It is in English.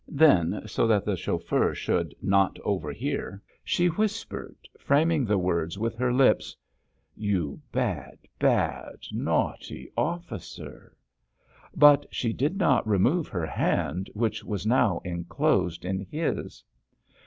Then, so that the chauffeur should not overhear, she whispered, framing the words with her lips: "You bad, bad, naughty officer!" But she did not remove her hand, which was now enclosed in his.